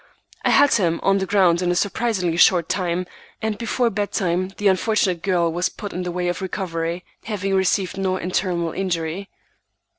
I had him on the ground in a surprisingly short time, and before bedtime the unfortunate girl was put in the way of recovery, having received no internal injury.